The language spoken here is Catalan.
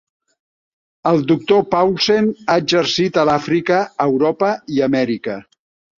El doctor Paulsen ha exercit a l'Àfrica, a Europa i a Amèrica.